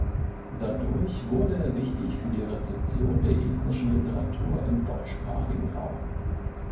Dadurch wurde er wichtig für die Rezeption der estnischen Literatur im deutschsprachigen Raum.